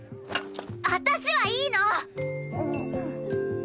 私はいいの！